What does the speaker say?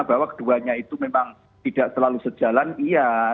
bahwa keduanya itu memang tidak selalu sejalan iya